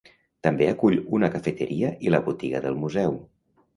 També acull una cafeteria i la botiga del museu.